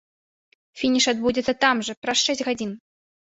Фініш адбудзецца там жа, праз шэсць гадзін.